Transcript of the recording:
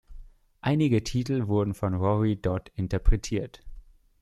Einige Titel wurden von Rory Dodd interpretiert.